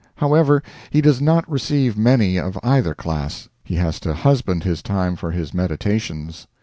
However, he does not receive many of either class. He has to husband his time for his meditations.